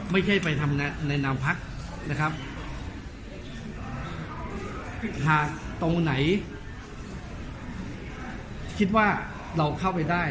ไม่ใช่ไปทำในนามพักนะครับหากตรงไหนคิดว่าเราเข้าไปได้